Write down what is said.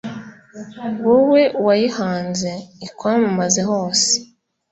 wowe wayihanze, ikwamamaze hose